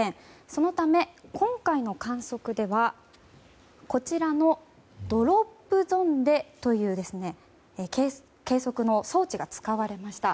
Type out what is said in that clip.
そのため、今回の観測ではこちらのドロップゾンデという計測の装置が使われました。